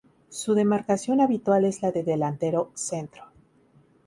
Su demarcación habitual es la de delantero centro.